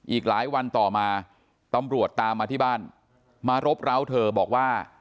อีกหลายวันต่อมาตำรวจตามมาที่บ้านมารบร้าวเธอบอกว่า